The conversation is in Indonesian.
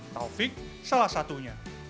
taufik salah satunya